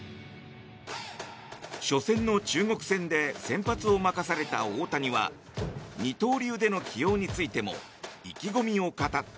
初戦の中国戦で先発を任された大谷は二刀流での起用についても意気込みを語った。